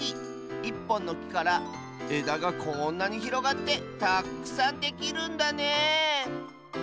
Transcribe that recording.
１ぽんのきからえだがこんなにひろがってたくさんできるんだね